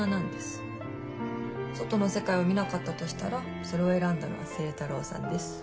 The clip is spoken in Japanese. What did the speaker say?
外の世界を見なかったとしたらそれを選んだのは星太郎さんです。